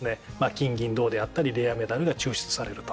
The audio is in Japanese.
金銀銅であったりレアメタルが抽出されると。